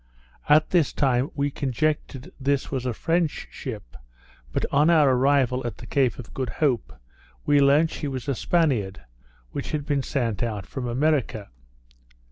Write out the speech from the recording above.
At this time, we conjectured this was a French ship, but, on our arrival at the Cape of Good Hope, we learnt she was a Spaniard, which had been sent out from America.